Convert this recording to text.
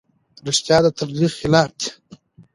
رښتیا د تبلیغ خلاف دي.